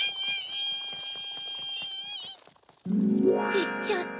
いっちゃった。